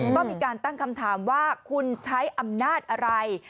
ก็มีการตั้งคำถามว่าคุณใช้อำนาจอะไร